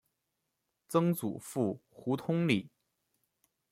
曾祖父胡通礼。